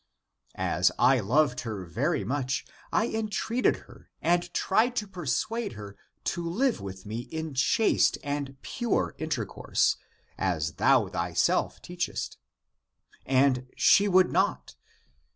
As I loved her very much, 1 en treated her and tried to persuade her to Hve with me in chaste and pure intercourse, as thou thyself teachest. And she would not.